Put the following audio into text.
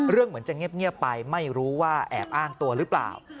เหมือนจะเงียบไปไม่รู้ว่าแอบอ้างตัวหรือเปล่า